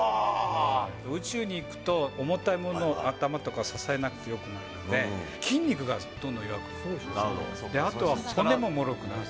宇宙に行くと、重たいもの、頭とか、支えなくてよくなるので、筋肉がどんどん弱くなる。